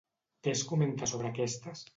Què es comenta sobre aquestes?